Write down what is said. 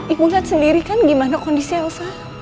ibu lihat sendiri kan gimana kondisi elsa